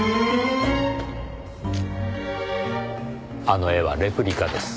あの絵はレプリカです。